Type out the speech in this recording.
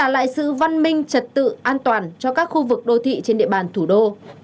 lại sự văn minh trật tự an toàn cho các khu vực đô thị trên địa bàn thủ đô